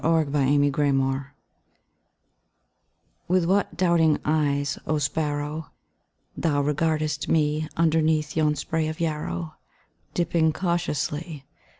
A RE ASSURANCE With what doubting eyes, oh sparrow, Thou regardest me, Underneath yon spray of yarrow, Dipping cautiously.